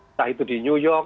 entah itu di new york